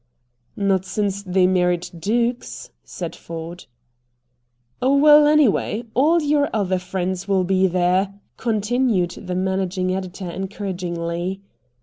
"Not since they married dukes," said Ford. "Well, anyway, all your other friends will be there," continued the managing editor encouragingly.